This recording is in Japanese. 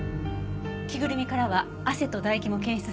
着ぐるみからは汗と唾液も検出されています。